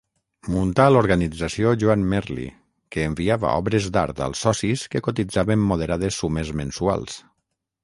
Muntà l'Organització Joan Merli, que enviava obres d'art als socis que cotitzaven moderades sumes mensuals.